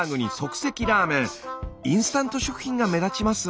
インスタント食品が目立ちます。